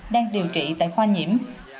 đang điều trị tại khoa nhiễm